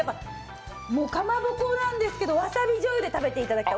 かまぼこなんですけど、わさびじょうゆで食べていただきたい。